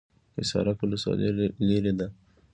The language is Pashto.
حصارک ولسوالۍ لیرې ده؟